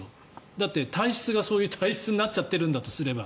だって体質がそういう体質になってるとすれば。